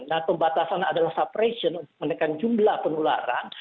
nah pembatasan adalah separation menekan jumlah penularan